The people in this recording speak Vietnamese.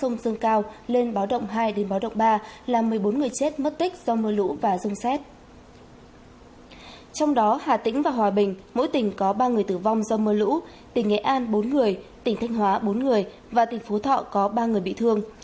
mưa tỉnh có ba người tử vong do mưa lũ tỉnh nghệ an bốn người tỉnh thanh hóa bốn người và tỉnh phú thọ có ba người bị thương